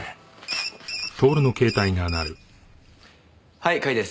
はい甲斐です。